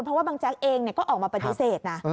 เพราะว่าบางแจ๊กเองก็ออกมาปฏิเสธนะ